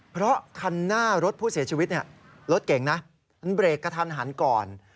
เพราะคันหน้ารถผู้เสียชีวิตรถเก่งนะมันเบรกกระทันหันก่อน